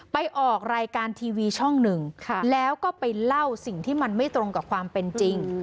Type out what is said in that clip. ไปออกรายการทีวีช่องหนึ่งแล้วก็ไปเล่าสิ่งที่มันไม่ตรงกับความเป็นจริง